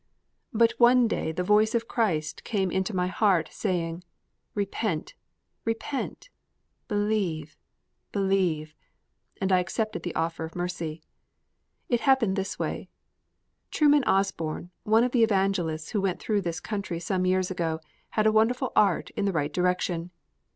But one day the voice of Christ came into my heart saying, "Repent, repent; believe, believe," and I accepted the offer of mercy. It happened this way: Truman Osborne, one of the evangelists who went through this country some years ago, had a wonderful art in the right direction.